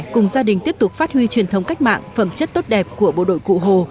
cùng gia đình tiếp tục phát huy truyền thống cách mạng phẩm chất tốt đẹp của bộ đội cụ hồ